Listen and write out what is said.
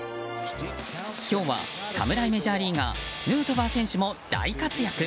今日は侍メジャーリーガーヌートバー選手も大活躍。